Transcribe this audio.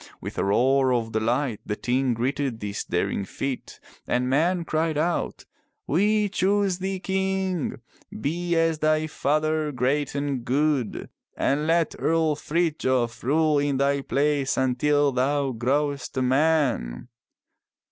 With a roar of delight the Ting greeted this daring feat and men cried out :" We choose thee king. Be as thy father great and good. And let Earl Frithjof rule in thy place until thou growest a man.